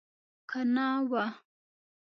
که نه وه.